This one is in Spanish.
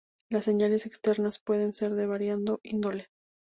Las señales externas pueden ser de variada índole.